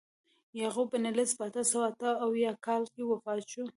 یعقوب بن لیث په اته سوه اته اویا کال کې وفات شو.